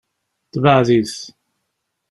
Teɛbed-it.